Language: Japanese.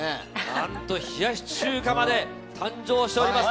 何と冷やし中華まで誕生しております。